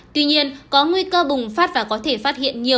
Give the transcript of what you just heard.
tuy nhiên có nguy cơ bùng phát và có thể phát hiện nhiều